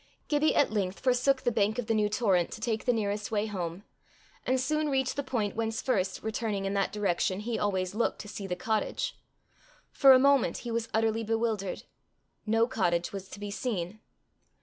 Gibbie at length forsook the bank of the new torrent to take the nearest way home, and soon reached the point whence first, returning in that direction, he always looked to see the cottage. For a moment he was utterly bewildered: no cottage was to be seen.